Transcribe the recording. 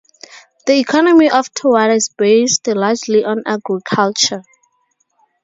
The economy of Towada is based largely on agriculture.